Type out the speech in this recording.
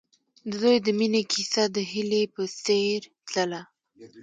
د دوی د مینې کیسه د هیلې په څېر تلله.